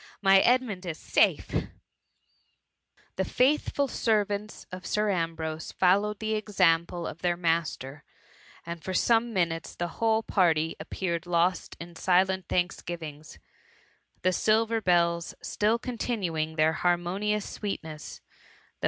my Edmund is safe !'' The futhful servants of Sir Ambrose fol* "V^ THE XUKMY. SI lowed the example of their mafitery and for some minutes the whole party appeared lost in silent tbank^vings ; the silver bells still con^ tinuing thar harmonious sweetness^ though